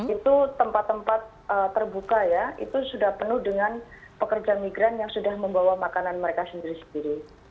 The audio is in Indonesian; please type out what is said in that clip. itu tempat tempat terbuka ya itu sudah penuh dengan pekerja migran yang sudah membawa makanan mereka sendiri sendiri